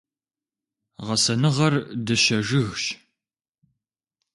Гъэсэныгъэр дыщэ жыгщ.